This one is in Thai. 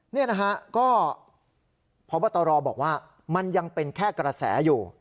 นี่นะฮะก็พบตรบอกว่ามันยังเป็นแค่กระแสอยู่